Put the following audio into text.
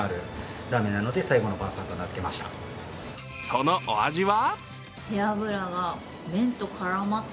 そのお味は？